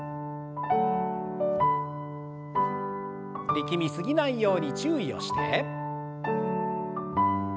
力み過ぎないように注意をして。